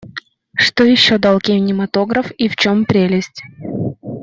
Что еще дал кинематограф и в чем прелесть?